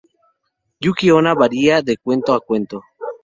Yuki-onna varía de cuento a cuento.